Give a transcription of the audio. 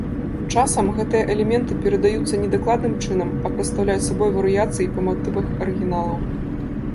Часам гэтыя элементы перадаюцца не дакладным чынам, а прадстаўляюць сабой варыяцыі па матывах арыгіналаў.